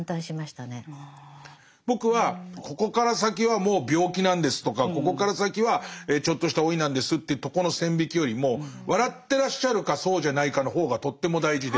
僕はここから先はもう病気なんですとかここから先はちょっとした老いなんですっていうとこの線引きよりも笑ってらっしゃるかそうじゃないかの方がとっても大事で。